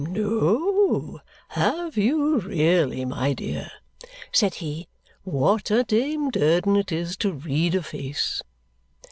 "No; have you really, my dear?" said he. "What a Dame Durden it is to read a face!"